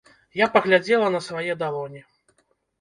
Я паглядзела на свае далоні.